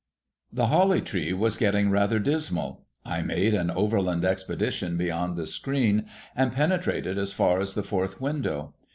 The Holly Tree was getting rather dismal. I made an overland expedition beyond the screen, and penetrated as far as the fourth window.